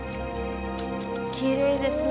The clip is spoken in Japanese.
きれいですね。